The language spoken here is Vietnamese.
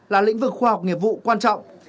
là lĩnh vực khoa học nghiệp vụ quan trọng